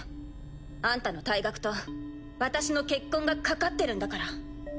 あんたの退学と私の結婚が懸かってるんだから。